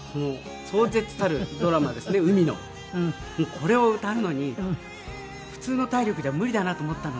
これを歌うのに普通の体力じゃ無理だなと思ったので。